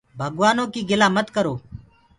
ڀگوآنو ڪيٚ گِلآ مت ڪرو۔